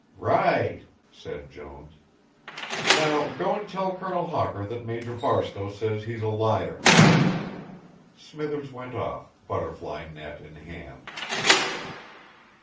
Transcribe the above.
"Right," said Jones. "Now go and tell Colonel Hawker that Major Barstowe says he's a liar." Smithers went off, butterfly net in hand.